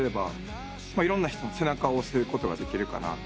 いろんな人の背中を押すことができるかな。